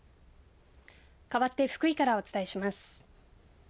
かわって福井からお伝えします。